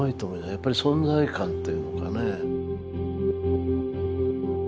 やっぱり存在感というのかね。